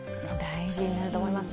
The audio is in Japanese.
大事になると思います。